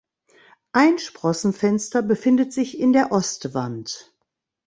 Ein Sprossenfenster befindet sich in der Ostwand.